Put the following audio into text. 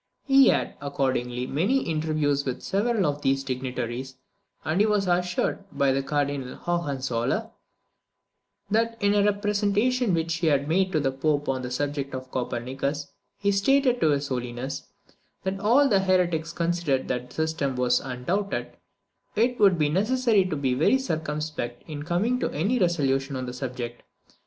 He had, accordingly, many interviews with several of these dignitaries; and he was assured, by Cardinal Hohenzoller, that in a representation which he had made to the Pope on the subject of Copernicus, he stated to his Holiness, "that as all the heretics considered that system as undoubted, it would be necessary to be very circumspect in coming to any resolution on the subject."